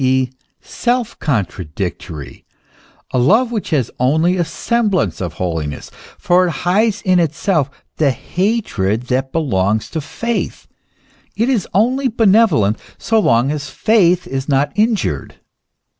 e., self contradictory, a love which has only a semblance of holiness, for it hides in itself the hatred that belongs to faith ; it is only benevolent so long as faith is not injured.